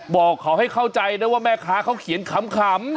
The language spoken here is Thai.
บอกเขาให้เข้าใจนะว่าแม่ค้าเขาเขียนขำ